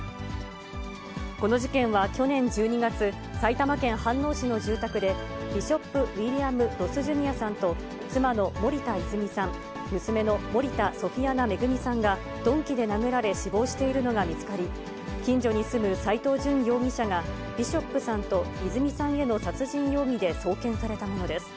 この事件は去年１２月、埼玉県飯能市の住宅で、ビショップ・ウィリアム・ロス・ジュニアさんと、妻の森田泉さん、娘の森田ソフィアナ恵さんが鈍器で殴られ死亡しているのが見つかり、近所に住む斎藤淳容疑者が、ビショップさんと泉さんへの殺人容疑で送検されたものです。